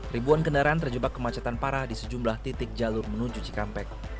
ribuan kendaraan terjebak kemacetan parah di sejumlah titik jalur menuju cikampek